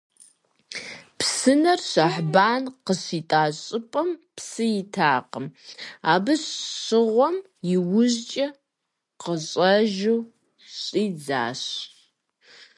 Псынэр Шэхьбан къыщитӀа щӀыпӀэм псы итакъым абы щыгъуэм, иужькӀэ къыщӀэжу щӀидзащ.